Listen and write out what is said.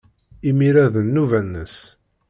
Imir-a, d nnuba-nnes.